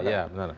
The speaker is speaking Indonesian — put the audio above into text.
ya ya benar